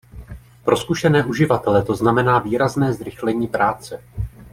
Pro zkušené uživatele to znamená výrazné zrychlení práce.